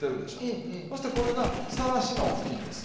そしてこれがさらしの布巾です。